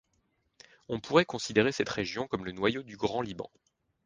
On pourrait considérer cette région comme le noyau du Grand Liban.